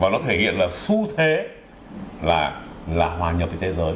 nó thể hiện là xu thế là hòa nhập với thế giới